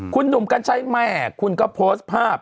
คุณหยุดคันใชคแมร์คุณก็โพสท์ภาพ